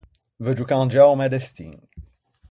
Veuggio cangiâ o mæ destin.